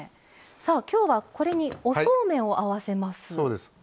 きょうは、これにおそうめんを合わせます。